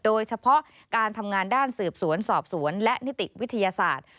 โดยเฉพาะการทำงานด้านสืบสวนสอบสวนและนิติวิทยาศาสตร์